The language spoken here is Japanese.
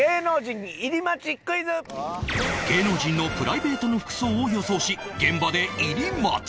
芸能人のプライベートの服装を予想し現場で入り待ち